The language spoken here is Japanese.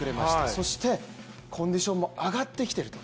そして、コンディションも上がってきていると。